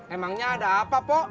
emangnya ada apa pok